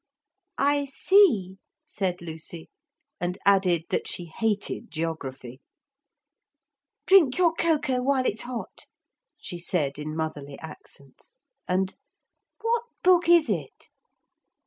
'I see,' said Lucy, and added that she hated geography. 'Drink your cocoa while it's hot,' she said in motherly accents, and 'what book is it?'